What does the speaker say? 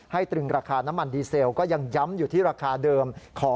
ตรึงราคาน้ำมันดีเซลก็ยังย้ำอยู่ที่ราคาเดิม